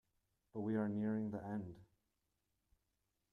But we are nearing the end.